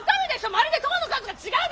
まるで痘の数が違うでしょ！？